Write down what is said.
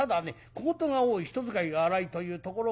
小言が多い人使いが荒いというところがある。